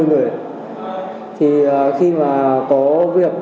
nữ doanh nghiệp